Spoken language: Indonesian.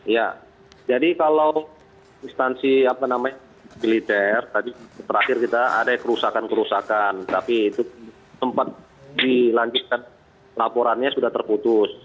ya jadi kalau instansi apa namanya militer tadi terakhir kita ada kerusakan kerusakan tapi itu sempat dilanjutkan laporannya sudah terputus